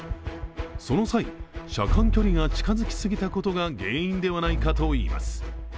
その際、車間距離が近づきすぎたことが原因ではないかといいます。